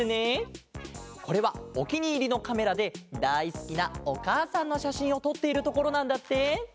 これはおきにいりのカメラでだいすきなおかあさんのしゃしんをとっているところなんだって！